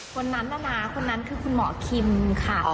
คนนั้นน่ะนะคนนั้นคือคุณหมอคิมค่ะ